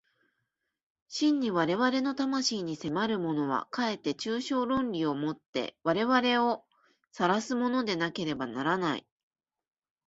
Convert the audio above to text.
真に我々の魂に迫るものは、かえって抽象論理を以て我々を唆すものでなければならない。